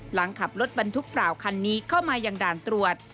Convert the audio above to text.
หลังขับรถบรรทุกเปล่าคันนี้เข้ามายังด่านตรวจ